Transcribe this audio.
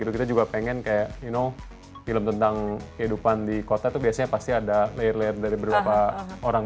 kita juga pengen kayak no film tentang kehidupan di kota itu biasanya pasti ada layer layer dari beberapa orang